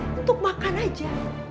mas untuk makan aja